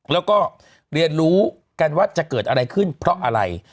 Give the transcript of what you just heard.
แล้วก็เรียนรู้กันว่าจะเกิดอะไรขึ้นเพราะอะไร